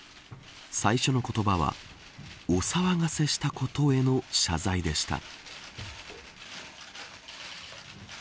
最初の言葉はお騒がせしたことへの謝罪でした。